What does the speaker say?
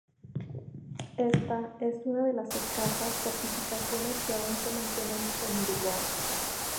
Esta es una de las escasas fortificaciones que aún se mantienen en Uruguay.